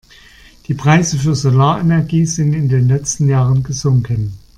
Die Preise für Solarenergie sind in den letzten Jahren gesunken.